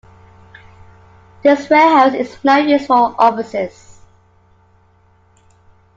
This warehouse is now used for offices.